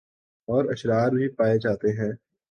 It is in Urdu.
اور اشرار بھی پائے جاتے ہیں